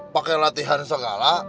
pakai latihan segala